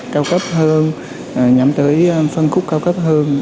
cao cấp hơn nhắm tới phân khúc cao cấp hơn